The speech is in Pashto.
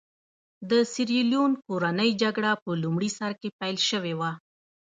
د سیریلیون کورنۍ جګړه په لومړي سر کې پیل شوې وه.